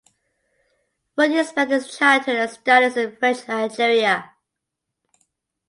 Fournier spent his childhood and studies in French Algeria.